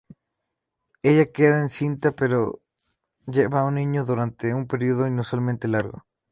Ella queda encinta, pero lleva al niño durante un periodo inusualmente largo.